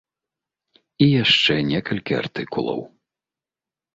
І яшчэ некалькі артыкулаў.